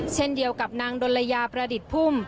เช่นเดียวกับนางดนรยาประดิษภุม